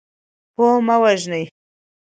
پوه مه وژنئ.